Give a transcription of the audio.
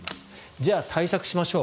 じゃあ対策しましょう。